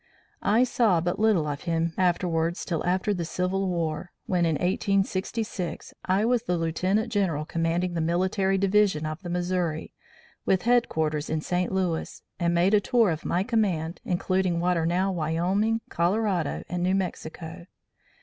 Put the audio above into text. I saw but little of him afterwards till after the Civil War, when, in 1866, I was the Lieutenant General commanding the Military Division of the Missouri, with headquarters in St. Louis, and made a tour of my command, including what are now Wyoming, Colorado and New Mexico.